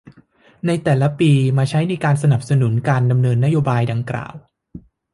ในแต่ละปีมาใช้ในการสนับสนุนการดำเนินนโยบายดังกล่าว